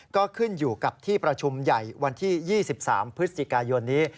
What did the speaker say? ก็ขึ้นอยู่กับที่ประชุมใหญ่วันที่๒๓พฤศจิกายนนี้